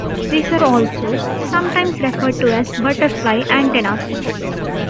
These are also sometimes referred to as butterfly antennas.